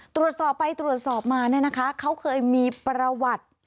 ตรวจสอบไปตรวจสอบมาเนี่ยนะคะเขาเคยมีประวัติ